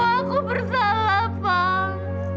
aku bersalah pak